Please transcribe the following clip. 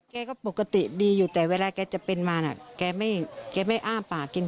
แกก็ปกติดีอยู่แต่เวลาแกจะเป็นมาน่ะแกไม่อ้าปากกิน